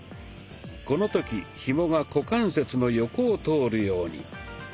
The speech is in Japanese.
この時ひもが股関節の横を通るように。